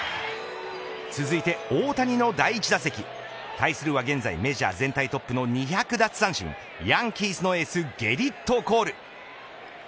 続いて、大谷の第１打席対するは現在メジャー全体トップの２００奪三振ヤンキースのエースゲリット・コール。